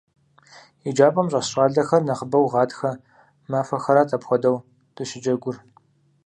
ЕджапӀэм щӏэс щӀалэхэр нэхъыбэу гъатхэ махуэхэрат апхуэдэу дыщыджэгур.